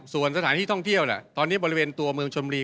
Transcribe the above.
ส่วนสถานที่ท่องเที่ยวตอนนี้บริเวณตัวเมืองชนบุรี